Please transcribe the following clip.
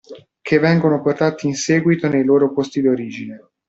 Che vengono portati in seguito nei loro posti d'origine.